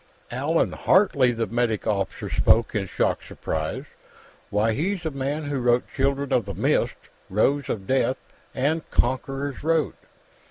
"Allan Hartley!" The medic officer spoke in shocked surprise. "Why, he's the man who wrote 'Children of the Mist', 'Rose of Death', and 'Conqueror's Road'!"